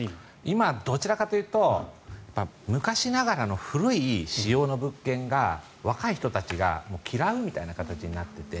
今、どちらかというと昔ながらの古い仕様の物件が若い人たちが嫌うみたいな形になっていて。